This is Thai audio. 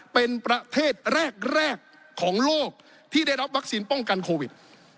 เป็นประเทศแรกของโลกที่ได้รับวัคซีนป้องกันโควิด